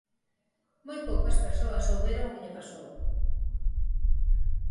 Moi poucas persoas souberon o que lle pasou.